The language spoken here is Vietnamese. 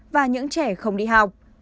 và những trẻ không đi học